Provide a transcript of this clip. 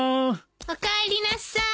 おかえりなさい。